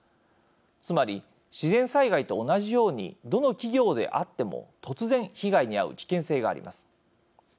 つまり、自然災害と同じようにどの企業であっても突然被害にあう危険性があります。